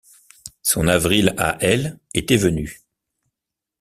Son avril à elle était venu.